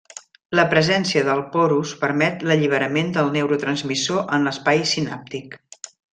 La presència del porus permet l'alliberament del neurotransmissor en l'espai sinàptic.